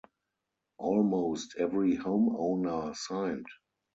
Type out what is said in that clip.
Almost every homeowner signed.